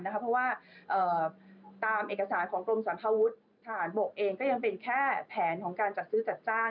เพราะว่าตามเอกสารของกรมสังควุฒิฐานบกเองก็ยังเป็นแค่แผนของการจัดซื้อจัดจ้าง